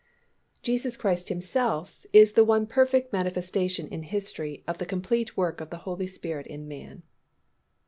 Jesus Christ Himself is the one perfect manifestation in history of the complete work of the Holy Spirit in man.